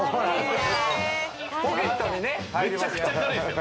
ポケットにねめちゃくちゃ軽いですよ